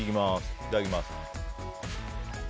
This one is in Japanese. いただきます。